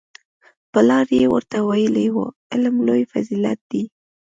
پلار یې ورته ویلي وو علم لوی فضیلت دی